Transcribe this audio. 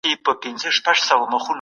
پانګونه باید په سمو برخو کي وسي.